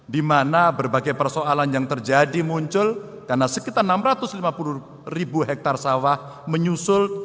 di mana berbagai persoalan yang terjadi muncul karena sekitar enam ratus lima puluh ribu hektare sawah menyusul